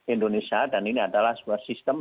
indonesia dan ini adalah sebuah sistem